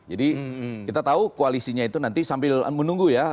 jadi kita tahu koalisinya itu nanti sambil menunggu ya